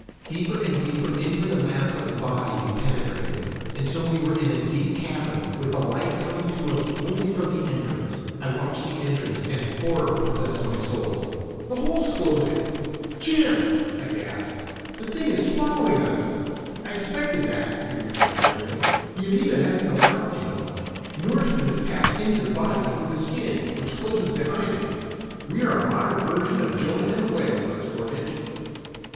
Deeper and deeper into the mass of the body we penetrated until we were in a deep cavern with the light coming to us only from the entrance. I watched the entrance and horror possessed my soul. "The hole's closing. Jim!" I gasped. "The thing is swallowing us!" "I expected that," he replied grimly. "The amoeba has no mouth, you know. Nourishment is passed into the body through the skin, which closes behind it. We are a modern version of Jonah and the whale, First Mortgage."